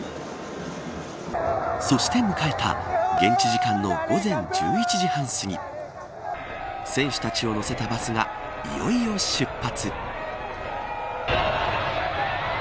そして迎えた現地時間の午前１１時半すぎ選手たちを乗せたバスがいよいよ出発。